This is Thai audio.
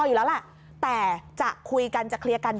อยู่แล้วแหละแต่จะคุยกันจะเคลียร์กัน